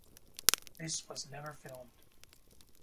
This was never filmed.